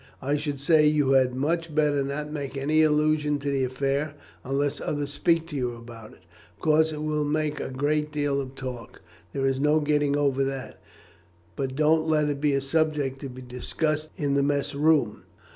I should say you had much better not make any allusion to the affair, unless others speak to you about it. Of course, it will make a great deal of talk; there is no getting over that. But don't let it be a subject to be discussed in the mess room.